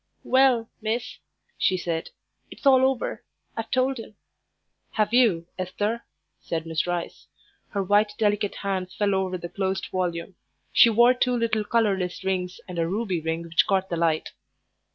"Well, miss," she said, "it's all over. I've told him." "Have you, Esther?" said Miss Rice. Her white, delicate hands fell over the closed volume. She wore two little colourless rings and a ruby ring which caught the light.